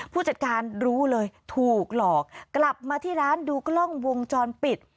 ผู้จัดการรู้เลยถูกหลอกกลับมาที่ร้านดูกล้องวงจรปิด